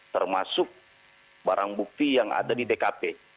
termasuk barang bukti yang ada di dkp